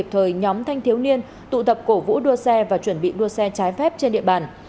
kịp thời nhóm thanh thiếu niên tụ tập cổ vũ đua xe và chuẩn bị đua xe trái phép trên địa bàn